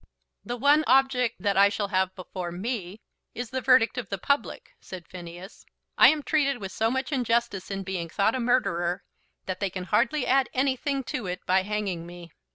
"The one object that I shall have before me is the verdict of the public," said Phineas. "I am treated with so much injustice in being thought a murderer that they can hardly add anything to it by hanging me."